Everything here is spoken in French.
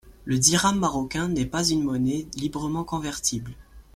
Le dirham marocain n’est pas une monnaie librement convertible.